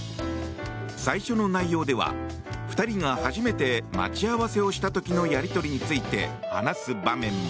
最初の内容では２人が初めて待ち合わせをした時のやり取りについて話す場面も。